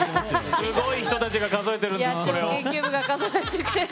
すごい人たちが数えてる。